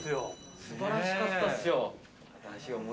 素晴らしかったですよ。